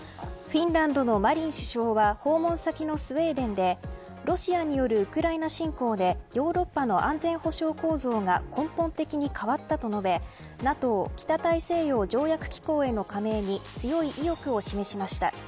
フィンランドのマリン首相は訪問先のスウェーデンでロシアによるウクライナ侵攻でヨーロッパの安全保障構造が根本的に変わったと述べＮＡＴＯ北大西洋条約機構への加盟に強い意欲を示しました。